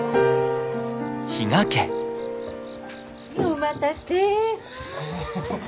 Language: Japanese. お待たせ。